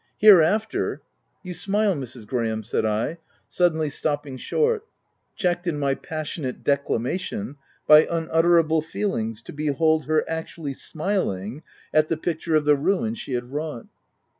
Hereafter— You smile Mrs. Graham/' said I, suddenly stopping short, checked in my passionate declamation by unutterable feelings to behold her actually smiling at the picture of the ruin she had wrought.